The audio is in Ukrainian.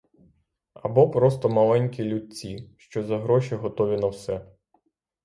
Або просто маленькі людці, що за гроші готові на все.